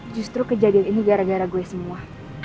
justru kejadian ini gara gara gue semua